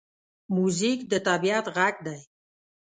موزیک د طبعیت غږ دی.